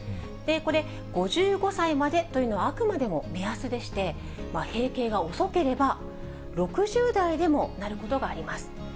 これ、５５歳までというのはあくまでも目安でして、閉経が遅ければ、６０代でもなることがあります。